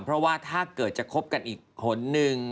เพราะว่าถ้าเกิดจะคบกันอีกคนนึง